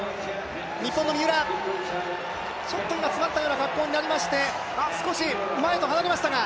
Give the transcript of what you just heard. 日本の三浦、ちょっと詰まったような格好になりまして少し前と離れましたが。